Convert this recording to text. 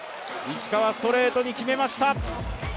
石川、ストレートに決めました！